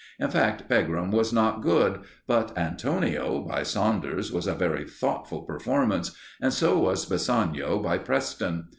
In fact, Pegram was not good; but Antonio, by Saunders, was a very thoughtful performance, and so was Bassanio, by Preston.